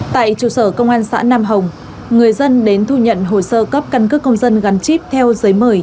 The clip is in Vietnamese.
tại trụ sở công an xã nam hồng người dân đến thu nhận hồ sơ cấp căn cước công dân gắn chip theo giấy mời